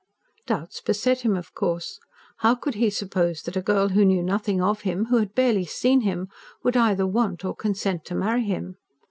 Doubts beset him of course. How could he suppose that a girl who knew nothing of him, who had barely seen him, would either want or consent to marry him?